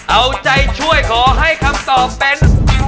เอาใจช่วยขอให้คำตอบเป็น